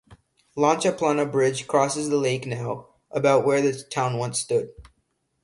Lancha Plana Bridge crosses the lake now about where the town once stood.